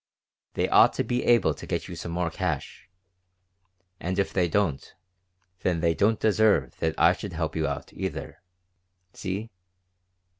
They ought to be able to get you some more cash. And if they don't, then they don't deserve that I should help you out, either. See?"